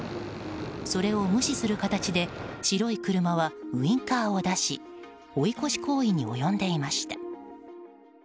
それを無視する形で、白い車はウインカーを出し追い越し行為に及んでいました。